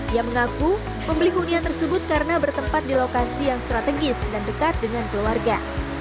ia mengaku membeli hunian tersebut karena bertempat di lokasi yang strategis dan dekat dengan keluarga